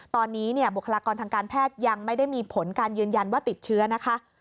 ตอนนี้เนี่ยบุคลากรทางการแพทย์ยังไม่ได้มีผลการยืนยันว่าติดเชื้อนะคะ